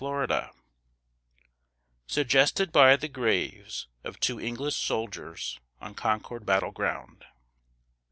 LINES SUGGESTED BY THE GRAVES OF TWO ENGLISH SOLDIERS ON CONCORD BATTLE GROUND.